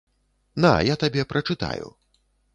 На, я табе прачытаю.